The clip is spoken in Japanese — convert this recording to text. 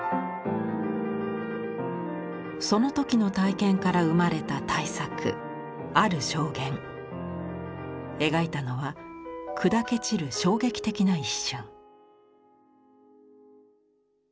その時の体験から生まれた大作描いたのは砕け散る衝撃的な一瞬。